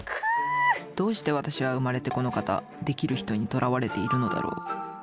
どうして私は生まれてこのかたデキる人にとらわれているのだろう。